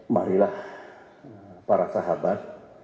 marilah para sahabat